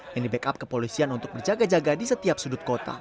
yang di backup kepolisian untuk berjaga jaga di setiap sudut kota